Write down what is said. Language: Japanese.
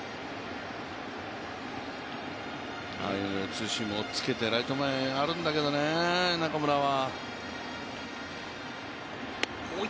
ツーシームおっつけて、ライト前があるんだけどね、中村は。